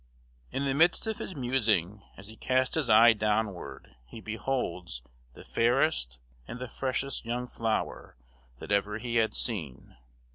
In the midst of his musing, as he casts his eye downward, he beholds "the fairest and the freshest young floure" that ever he had seen.